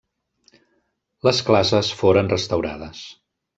Les classes foren restaurades.